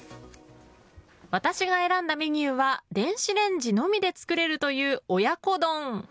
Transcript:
私が選んだメニューは電子レンジのみで作れるという親子丼。